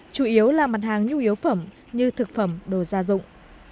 chủ yếu là mặt hàng nhu yếu phẩm như thực phẩm đồ gia dụng